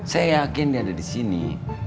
saya yakin dia ada disini